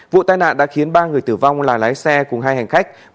vụ tai nạn đã khiến ba người tử vong là lái xe cùng hai hành khách